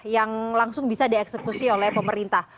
yang langsung bisa dieksekusi oleh pemerintah